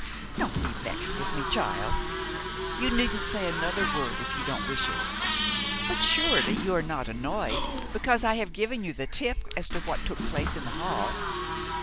"Don't be vexed with me, child. You needn't say another word if you don't wish it; but surely you are not annoyed because I have given you the tip as to what took place in the hall?"